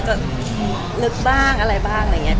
ก็ได้แบบจะลึกบ้างอะไรบ้าง